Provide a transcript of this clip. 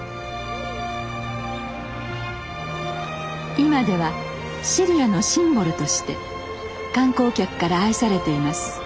今では尻屋のシンボルとして観光客から愛されています。